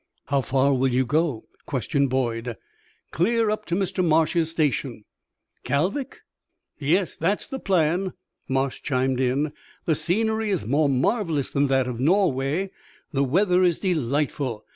"How far will you go?" questioned Boyd. "Clear up to Mr. Marsh's station." "Kalvik?" "Yes; that is the plan," Marsh chimed in. "The scenery is more marvellous than that of Norway, the weather is delightful.